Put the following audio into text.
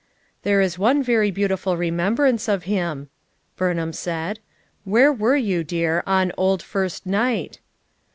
"There is one very beautiful remembrance of him," Burnham said. "Where were you, dear, on 'Old first night'?